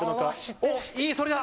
おっいい反りだ！